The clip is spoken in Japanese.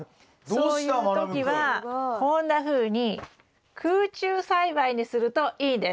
そういう時はこんなふうに空中栽培にするといいんです。